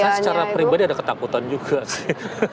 saya secara pribadi ada ketakutan juga sih